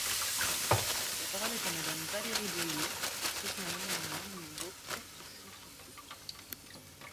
La parole est à Madame Valérie Boyer, pour soutenir l’amendement numéro quatre cent trente-huit.